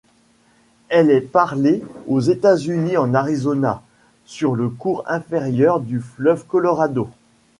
Elle est parlée aux États-Unis, en Arizona, sur le cours inférieur du fleuve Colorado.